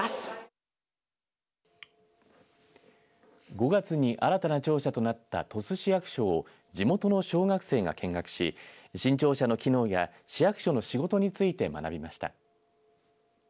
５月に新たな庁舎となった鳥栖市役所を地元の小学生が見学し新庁舎の機能や市役所の仕事について学びました。